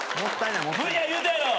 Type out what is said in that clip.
無理や言うたやろ。